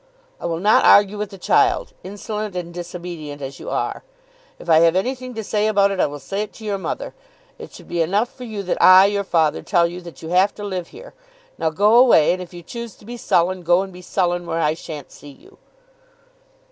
"I will not argue with a child, insolent and disobedient as you are. If I have anything to say about it, I will say it to your mother. It should be enough for you that I, your father, tell you that you have to live here. Now go away, and if you choose to be sullen, go and be sullen where I shan't see you."